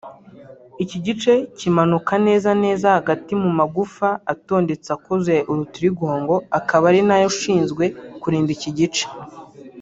Iki gice kimanuka neza neza hagati mu magufa atondetse akoze urutirigongo akaba ari nayo ashinzwe kurinda iki gice